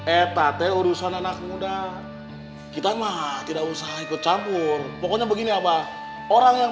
eh pak teh urusan anak muda kita mah tidak usah ikut campur pokoknya begini abah orang yang